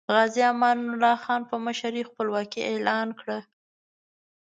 غازی امان الله خان په مشرۍ خپلواکي اعلان کړه.